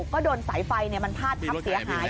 ก็โดนสายไฟเนี่ยมันพลาดทักเสียหาย